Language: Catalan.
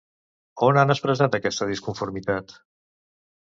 On han expressat aquesta disconformitat?